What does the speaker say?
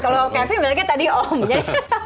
kalau kevin bilangnya tadi om